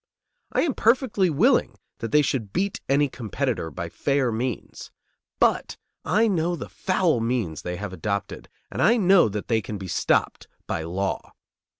I am perfectly willing that they should beat any competitor by fair means; but I know the foul means they have adopted, and I know that they can be stopped by law.